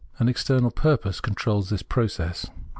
An external purpose controls this process.